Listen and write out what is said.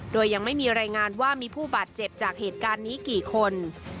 โดยยังไม่มีรายงานว่ามีผู้บาดเจ็บจากเหตุการณ์นี้กี่คน